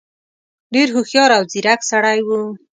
ډېر هوښیار او ځيرک سړی وو.